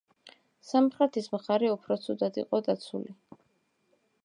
სამხრეთის მხარე უფრო ცუდად იყო დაცული.